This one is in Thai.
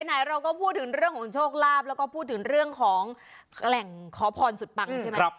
ไหนเราก็พูดถึงเรื่องของโชคลาภแล้วก็พูดถึงเรื่องของแหล่งขอพรสุดปังใช่ไหม